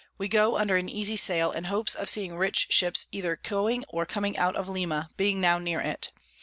We go under an easy Sail, in hopes of seeing rich Ships either going or coming out of Lima, being now near it.